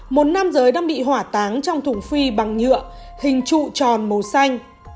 một nam giới đang bị hỏa táng trong thùng phi bằng nhựa hình trụ tròn màu xanh